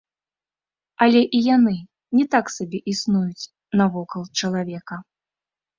Але і яны не так сабе існуюць навакол чалавека.